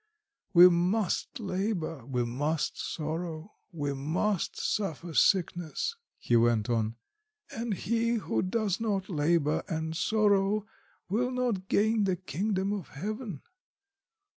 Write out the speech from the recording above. We must labour, we must sorrow, we must suffer sickness," he went on, "and he who does not labour and sorrow will not gain the Kingdom of Heaven.